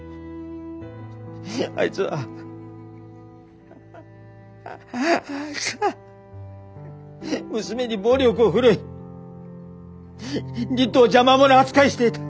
あいつはあいつは娘に暴力を振るい理人を邪魔もの扱いしていた。